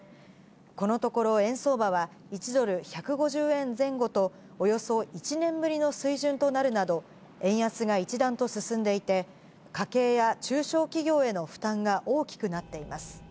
このところ円相場は１ドル＝１５０円前後と、およそ１年ぶりの水準となるなど、円安が一段と進んでいて、家計や中小企業への負担が大きくなっています。